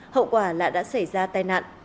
hậu quả là đã xảy ra tai nạn